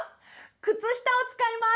靴下を使います！